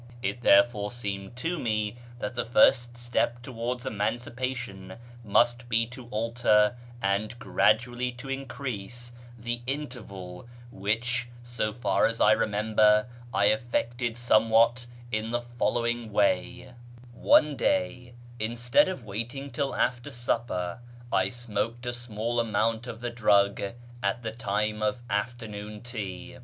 It therefore seemed to me that the first step towards emancipation must be to alter, and gradually to increase, the interval, which, so far as I remember, I effected somewhat in the following way :— One day, instead of waiting till after supper, I smoked a snaall amount of the drug at the time of afternoon tea.